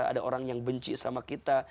ada orang yang benci sama kita